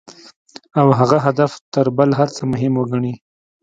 او هغه هدف تر بل هر څه مهم وګڼي.